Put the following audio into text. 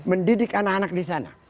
mendidik anak anak di sana